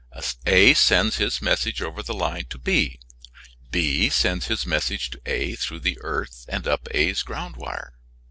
A sends his message over the line to B. B sends his message to A through the earth and up A's ground wire.